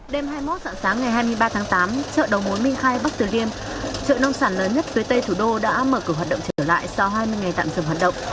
đêm hai mươi một dạng sáng ngày hai mươi ba tháng tám chợ đầu mối minh khai bắc từ liêm chợ nông sản lớn nhất phía tây thủ đô đã mở cửa hoạt động trở lại sau hai mươi ngày tạm dừng hoạt động